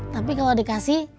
tapi kalau dikasih